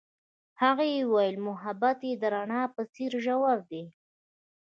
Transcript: هغې وویل محبت یې د رڼا په څېر ژور دی.